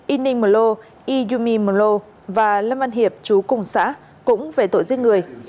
y ninh mùa lô y yumi mùa lô và lâm văn hiệp chú cùng xã cũng về tội giết người